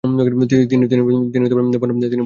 তিনি বনরা সেনা গঠন করেন।